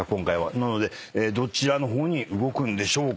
なのでどちらの方に動くんでしょうか？